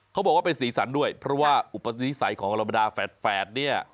เขาบอกว่าเป็นสีสันด้วยเพราะว่าอุปนิสัยของเราบรรดาแฝดเนี่ย